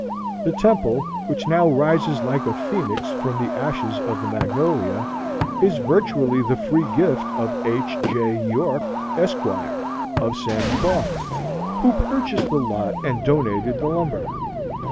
The temple, which now rises like a Phoenix from the ashes of the Magnolia, is virtually the free gift of H. J. York, Esq., of Sandy Bar, who purchased the lot and donated the lumber.